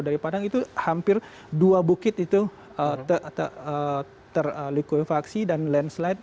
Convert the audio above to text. dari lima belas km dari padang itu hampir dua bukit itu terliku infaksi dan landslide